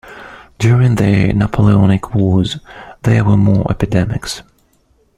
During the Napoleonic wars there were more epidemics.